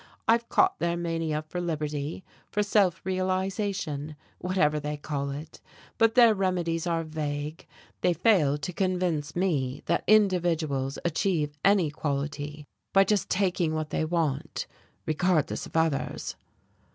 I've caught their mania for liberty, for self realization whatever they call it but their remedies are vague, they fail to convince me that individuals achieve any quality by just taking what they want, regardless of others."....